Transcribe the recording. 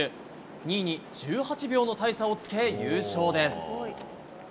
２位に１８秒の大差をつけ優勝です。